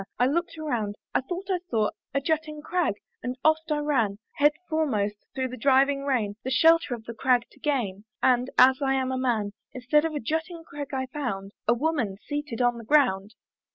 I looked around, I thought I saw A jutting crag, and oft' I ran, Head foremost, through the driving rain, The shelter of the crag to gain, And, as I am a man, Instead of jutting crag, I found A woman seated on the ground.